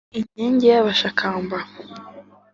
inkingi y’ abashakamba